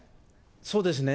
そうですね。